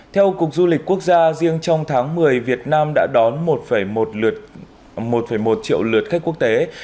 theo cục du lịch quốc gia riêng trong tháng một mươi việt nam đã đón một một triệu lượt khách quốc tế